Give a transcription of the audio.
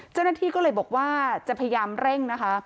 เจ้าหน้าที่ก็เลยบอกว่าจะพยายามเร่งนะคะ